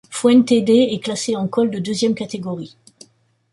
Fuente Dé est classé en col de deuxième catégorie.